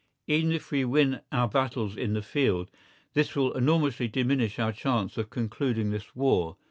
Even if we win our battles in the field this will enormously diminish our chance of concluding this war.